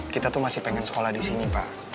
kita tuh masih pengen sekolah di sini pak